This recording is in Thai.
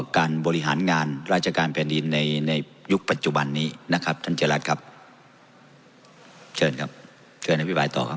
การบริหารงานราชการแผ่นดินในในยุคปัจจุบันนี้นะครับท่านเจรัตน์ครับเชิญครับเชิญอภิบายต่อครับ